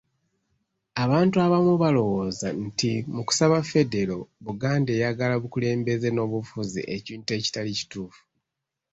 Abantu abamu balowooza nti mu kusaba Federo, Buganda eyagala bukulembeze n’obufuzi ekintu ekitali kituufu.